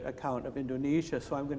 pengaturan indonesia yang sangat baik